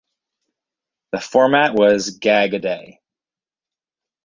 The format was "gag-a-day".